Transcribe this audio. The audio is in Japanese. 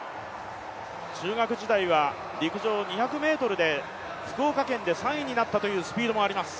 中学時代は陸上２００ｍで、福岡県で３位になったというスピードもあります。